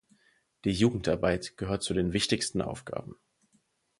Die Jugendarbeit gehört zu den wichtigsten Aufgaben.